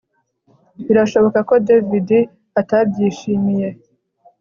Birashoboka ko David atabyishimiye